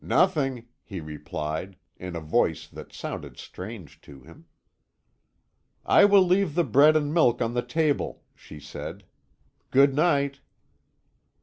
"Nothing," he replied, in a voice that sounded strange to him. "I will leave the bread and milk on the table," she said. "Good night."